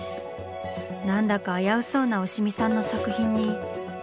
何だか危うそうな押見さんの作品に。